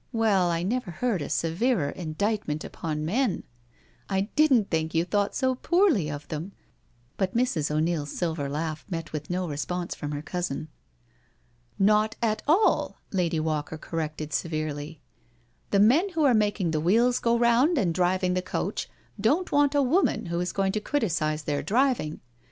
" Well, I never heard a severer indictment upon men I I didn't know you thought so poorly of them.*' But Mrs. O 'Neil's silver laugh met with no response from her cousin. •• Not at all," Lady Walker corrected severely. " The men who are making the wheels go round and driving the coach don't want a woman who is going to criticise their driving.